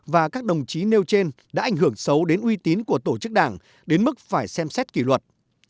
và các đồng chí nêu trên đã ảnh hưởng xấu đến uy tín của tổ chức đảng đến mức phải xem xét kỷ luật